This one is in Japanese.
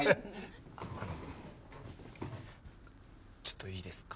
あのちょっといいですか？